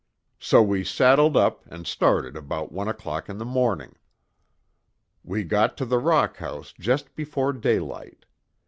So we saddled up and started about one o'clock in the morning. We got to the rock house just before daylight.